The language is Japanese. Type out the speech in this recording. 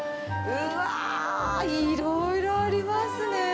うわー、いろいろありますね。